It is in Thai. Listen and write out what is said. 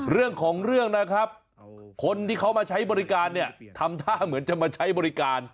เรื่องของเรื่องนะครับคนที่เขามาใช้บริการเนี่ยทำท่าเหมือนจะมาใช้บริการ